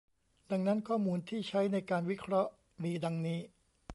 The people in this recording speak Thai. ดังนั้นข้อมูลที่ใช้ในการวิเคราะห์มีดังนี้